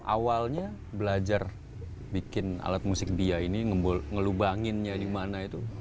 awalnya belajar bikin alat musik dia ini ngelubanginnya di mana itu